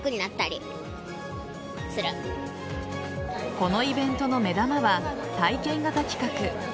このイベントの目玉は体験型企画。